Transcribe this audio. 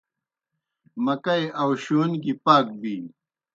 مکئی آؤشِیون گیْ پاک بِینیْ۔